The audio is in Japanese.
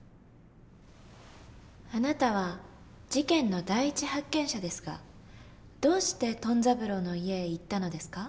あなたは事件の第一発見者ですがどうしてトン三郎の家へ行ったのですか？